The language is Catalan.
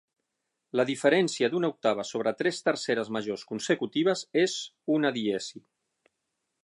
La diferència d'una octava sobre tres terceres majors consecutives, és una diesi.